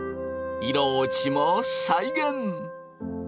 色落ちも再現！